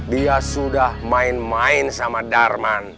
dia sudah main main sama darman